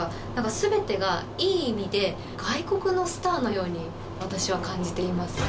全てがいい意味で外国のスターのように私は感じています